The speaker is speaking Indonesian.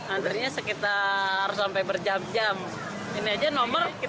antrinya sekitar sampai berikut